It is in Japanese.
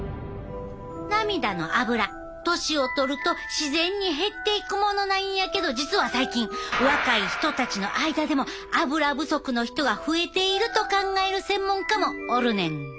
涙のアブラ年を取ると自然に減っていくものなんやけど実は最近若い人たちの間でもアブラ不足の人が増えていると考える専門家もおるねん。